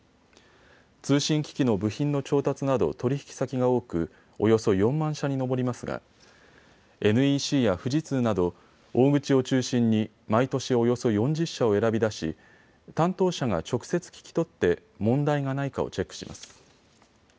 通信機器の部品の調達など取引先が多くおよそ４万社に上りますがＮＥＣや富士通など大口を中心に毎年およそ４０社を選び出し担当者が直接聞き取って問題がないかをチェックします。